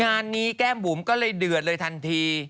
งานนี้แก้มบุ๋มก็เลยเดือดเลยทันที